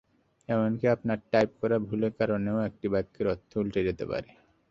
এমনকি আপনার টাইপ করার ভুলের কারণেও একটা বাক্যের অর্থ পাল্টে যেতে পারে।